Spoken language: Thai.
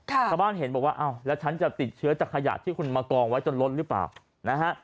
ชาวบ้านเห็นบอกว่าอ้าวแล้วฉันจะติดเชื้อจากขยะที่คุณมากองไว้จนล้นหรือเปล่านะฮะ